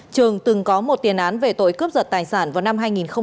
trường từng có một tiền án về tội cướp giật tài sản vào năm hai nghìn một mươi